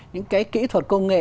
những cái kỹ thuật công nghệ